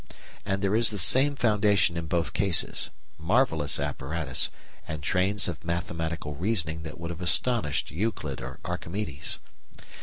And there is the same foundation in both cases marvellous apparatus, and trains of mathematical reasoning that would have astonished Euclid or Archimedes.